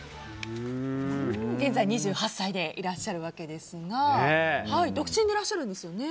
現在２８歳でいらっしゃるわけですが独身でいらっしゃるんですよね。